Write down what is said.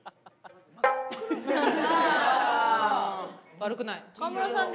悪くない。